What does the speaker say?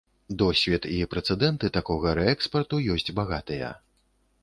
Досвед і прэцэдэнты такога рээкспарту ёсць багатыя.